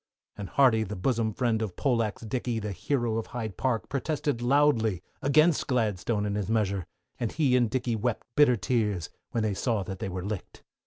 And Hardy the bosom friend of Poleaxe Dickey the hero of Hyde Park, protested loudly against Gladstone and his measure, and he and Dizzey wept bitter tears, when they saw that they were licked.